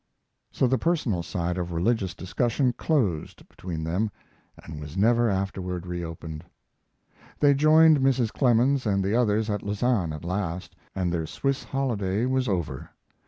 So the personal side of religious discussion closed between them, and was never afterward reopened. They joined Mrs. Clemens and the others at Lausanne at last, and their Swiss holiday was over.